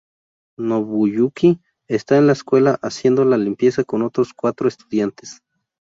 Nobuyuki está en la escuela, haciendo la limpieza con otros cuatro estudiantes.